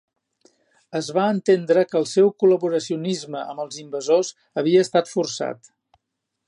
Es va entendre que el seu col·laboracionisme amb els invasors havia estat forçat.